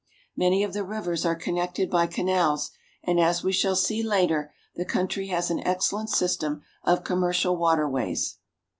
Many of the rivers are connected by canals, and, as we shall see later, the country has an excellent system of commercial water ways.